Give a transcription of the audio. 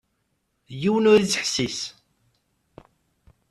Yiwen ur ittḥessis.